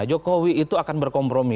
jokowi itu akan berkompromi